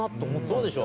そうでしょ？